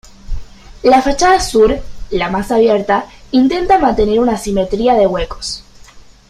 La fachada sur, la más abierta, intenta mantener una simetría de huecos.